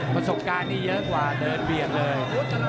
ประสบการณ์นี้เยอะกว่าเดินเบียดเลย